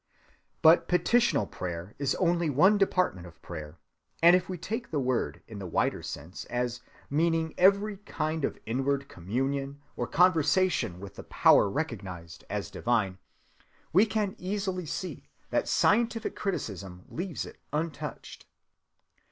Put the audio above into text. But petitional prayer is only one department of prayer; and if we take the word in the wider sense as meaning every kind of inward communion or conversation with the power recognized as divine, we can easily see that scientific criticism leaves it untouched.